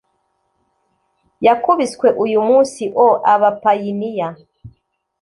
yakubiswe uyu munsi - o, abapayiniya